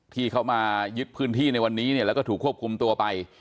ที่เขามายึดพื้นที่ในวันนี้เนี่ยแล้วก็ถูกควบคุมตัวไป